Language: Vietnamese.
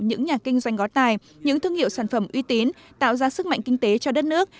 những nhà kinh doanh ngó tài những thương hiệu sản phẩm uy tín tạo ra sức mạnh kinh tế cho đất nước